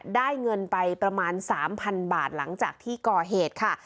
ได้เงินไปประมาณ๓๐๐๐บาทหลังจากที่ก่อเหตุค่ะ